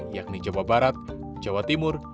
yakni jawa barat jawa timur